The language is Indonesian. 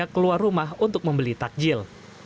keluar rumah untuk membeli takjil